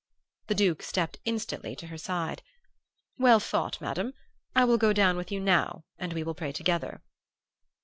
"The Duke stepped instantly to her side. 'Well thought, Madam; I will go down with you now, and we will pray together.